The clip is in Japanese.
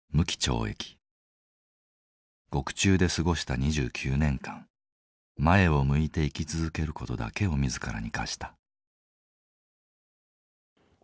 獄中で過ごした２９年間前を向いて生き続ける事だけを自らに課した。